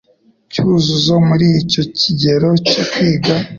Cyuzuzo muri icyo kigero cyo kwiga